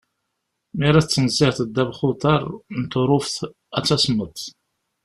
Mi ara tettnezziheḍ ddabex n uḍar n Turuft ad tasmeḍ.